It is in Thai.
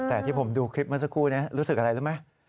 แต่ที่ผมดูคลิปเมื่อสักครู่นี้รู้สึกอะไรรู้ไหม